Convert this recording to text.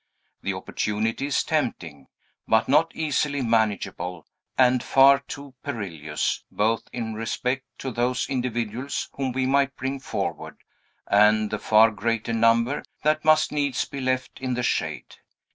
The opportunity is tempting, but not easily manageable, and far too perilous, both in respect to those individuals whom we might bring forward, and the far greater number that must needs be left in the shade.